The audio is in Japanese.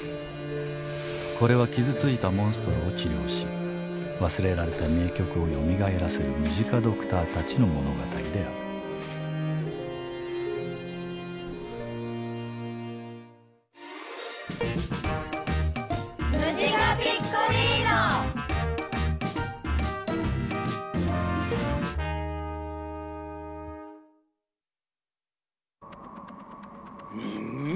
これは傷ついたモンストロを治療し忘れられた名曲をよみがえらせるムジカドクターたちの物語であるむむ？